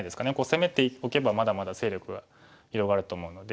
攻めておけばまだまだ勢力が広がると思うので。